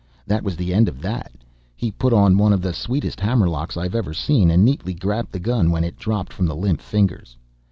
That was the end of that. He put on one of the sweetest hammer locks I have ever seen and neatly grabbed the gun when it dropped from the limp fingers.